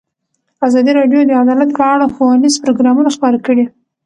ازادي راډیو د عدالت په اړه ښوونیز پروګرامونه خپاره کړي.